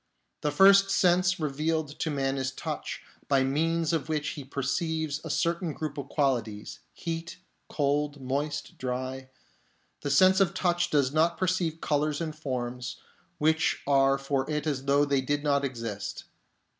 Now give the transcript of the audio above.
The first sense revealed to man is touch, by means of which he perceives a certain group of qualities — heat, cold, moist, dry. The sense of touch does not STAGES OF PERCEPTION 51 perceive colours and forms, which are for it as though they did not exist.